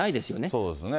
そうですよね。